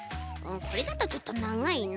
これだとちょっとながいな。